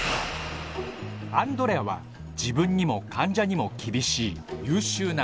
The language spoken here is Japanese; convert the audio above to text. アンドレアは自分にも患者にも厳しい優秀な内科医。